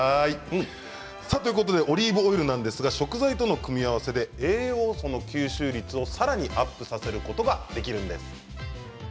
オリーブオイルは食材との組み合わせで栄養素の吸収率をさらにアップすることができるんです。